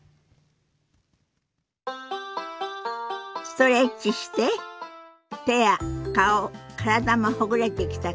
ストレッチして手や顔体もほぐれてきたかしら？